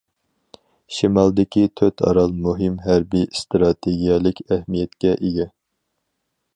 شىمالدىكى تۆت ئارال مۇھىم ھەربىي ئىستراتېگىيەلىك ئەھمىيەتكە ئىگە.